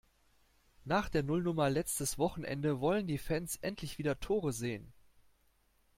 Nach der Nullnummer letztes Wochenende wollen die Fans endlich wieder Tore sehen.